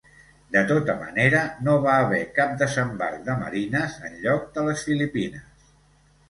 De tota manera, no va haver cap desembarc de marines enlloc de les Filipines.